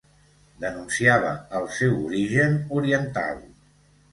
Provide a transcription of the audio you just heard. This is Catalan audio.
Denunciava el seu origen oriental